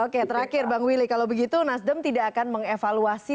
oke terakhir bang willy kalau begitu nasdem tidak akan mengevaluasi